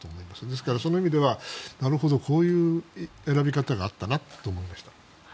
ですから、そういう意味ではなるほど、こういう選び方があったなと思いました。